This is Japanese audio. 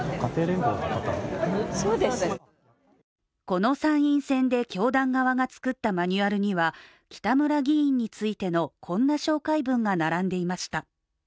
この参院選で教団側が作ったマニュアルには北村議員についての、こんな紹介文が並んでいました。